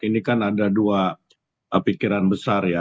ini kan ada dua pikiran besar ya